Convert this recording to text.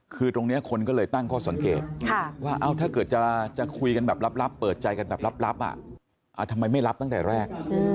คือตรงนี้คนก็เลยตั้งข้อสังเกตว่าถ้าเกิดจะคุยกันแบบลับเปิดใจกันแบบลับทำไมไม่รับตั้งแต่แรก